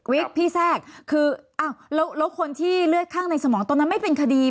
พี่แทรกคืออ้าวแล้วคนที่เลือดข้างในสมองตอนนั้นไม่เป็นคดี